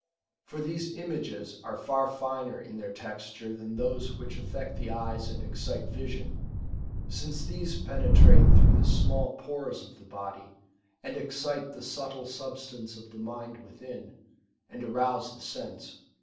For these images are far finer in their texture than those which aflect the eyes and excite vision ; since these penetrate through the small pores of the body, and excite the subtle substance of the mind within, and arouse the sense.